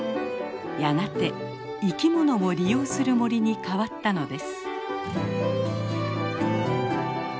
やがて生きものも利用する森に変わったのです。